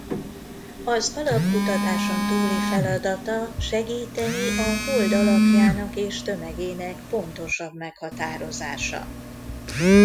Az alapkutatáson túli feladata segíteni a Hold alakjának és tömegének pontosabb meghatározása.